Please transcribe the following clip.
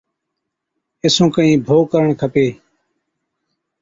اي سُون ڪهِين ڀوڳ ڪرڻي کپَي۔